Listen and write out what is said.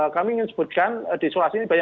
kami ingin sebutkan diisolasi ini banyak